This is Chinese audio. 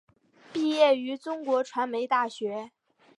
毕业于中国传媒大学。